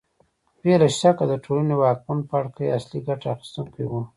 بې له شکه د ټولنې واکمن پاړکي اصلي ګټه اخیستونکي وو